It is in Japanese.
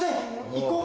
行こう！